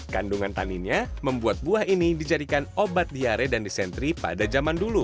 kandungan taninnya membuat buah ini dijadikan obat diare dan desentri pada zaman dulu